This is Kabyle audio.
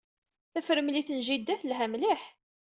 Tafremlit n jida telha mliḥ.